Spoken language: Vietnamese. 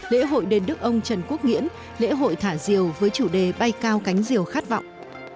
lễ hội đền đức ông trần quốc nghĩễn lễ hội thả diều với chủ đề bay cao cánh diều khát vọng